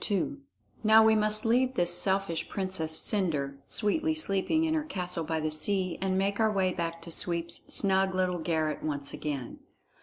II Now we must leave this selfish Princess Cendre sweetly sleeping in her castle by the sea and make our way back to Sweep's snug little garret once again.